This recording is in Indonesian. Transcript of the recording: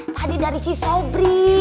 tadi dari si sobri